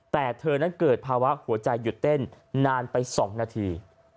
แต่เธอนั้นเกิดภาวะหัวใจหยุดเต้นนานไป๒นาที